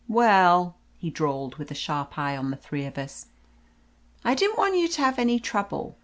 "Well," he drawled, with a sharp eye on the three of us, "I didn't want you to have any trouble.